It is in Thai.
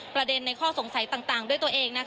ประเด็นในข้อสงสัยต่างด้วยตัวเอง